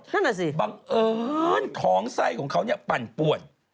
นั่นแหละสิบางเอิญของไส้ของเขานี่ปั่นปวด